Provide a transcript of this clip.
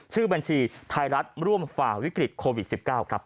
ชื่อบัญชีไทยรัฐร่วมฝ่าวิกฤตโควิด๑๙ครับ